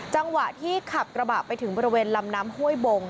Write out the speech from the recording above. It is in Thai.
จังหวะที่ขับกระบะไปถึงบริเวณลำน้ำห้วยบง